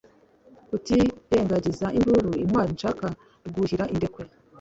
Rutirengagiza induru, intwali nshaka kwuhira indekwe